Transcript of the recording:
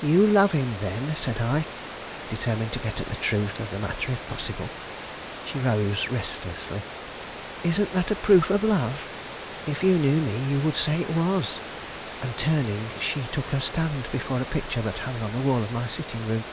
"You love him, then?" said I, determined to get at the truth of the matter if possible. She rose restlessly. "Isn't that a proof of love? If you knew me, you would say it was." And, turning, she took her stand before a picture that hung on the wall of my sitting room.